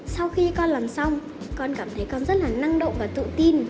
sau khi con làm xong con cảm thấy con rất là năng động và tự tin